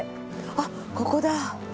あっここだ！